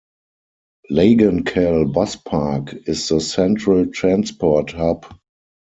Lagankhel Bus Park is the central transport hub.